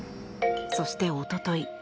そして、おととい